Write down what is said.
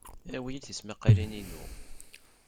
Awi-iyid tismaqalin-inu.